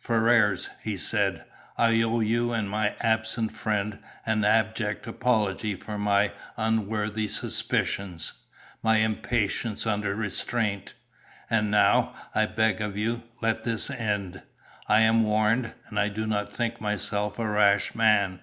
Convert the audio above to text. "Ferrars," he said, "I owe you and my absent friend an abject apology for my unworthy suspicions, my impatience under restraint. And now, I beg of you, let this end. I am warned, and I do not think myself a rash man.